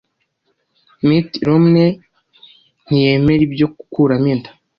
Mitt Romney ntiyemera ibyo gukuramo inda